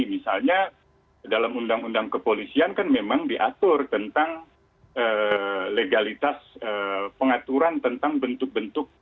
misalnya dalam undang undang kepolisian kan memang diatur tentang legalitas pengaturan tentang bentuk bentuk